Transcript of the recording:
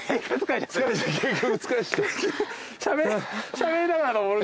しゃべりながら上る。